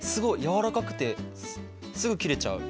やわらかくてすぐ切れちゃう。